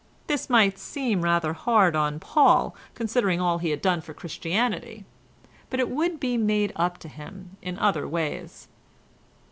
This might seem rather hard on Paul, considering all he had done for Christianity, but it would be made up to him in other ways.